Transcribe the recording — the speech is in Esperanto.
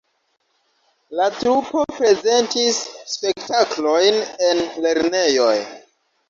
La trupo prezentis spektaklojn en lernejoj.